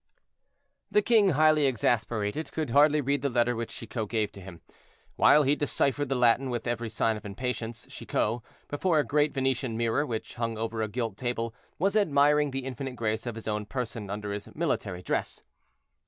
The king, highly exasperated, could hardly read the letter which Chicot gave to him. While he deciphered the Latin with every sign of impatience, Chicot, before a great Venetian mirror, which hung over a gilt table, was admiring the infinite grace of his own person under his military dress.